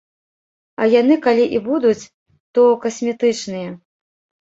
А яны калі і будуць, то касметычныя.